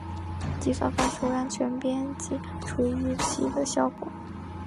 计算方式为安全边际除以预计的销货。